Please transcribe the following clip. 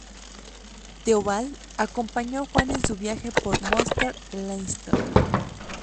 Theobald acompañó a Juan en su viaje por Munster y Leinster.